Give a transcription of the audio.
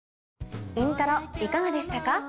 『イントロ』いかがでしたか？